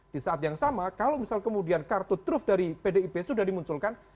di saat yang sama kalau misal kemudian kartu truf dari pdip sudah dimunculkan